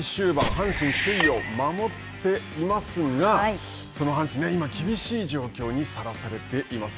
阪神は首位を守っていますが、その阪神、今、厳しい状況にさらされています。